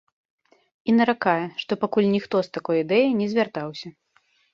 І наракае, што пакуль ніхто з такой ідэяй не звяртаўся.